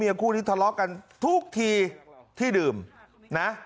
คู่นี้ทะเลาะกันทุกทีที่ดื่มนะ